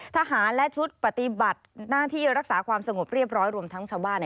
ทหารและชุดปฏิบัติหน้าที่รักษาความสงบเรียบร้อยรวมทั้งชาวบ้าน